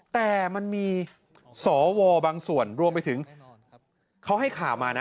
แต่มันมีสวบางส่วนรวมไปถึงเขาให้ข่าวมานะ